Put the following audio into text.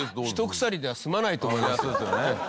ひとくさりでは済まないと思いますが。